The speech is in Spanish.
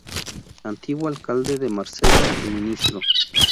Antiguo alcalde de Marsella y ministro.